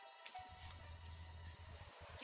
ya pasti ya pasti